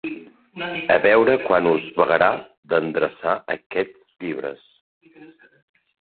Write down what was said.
A veure quan us vagarà d'endreçar aquests llibres!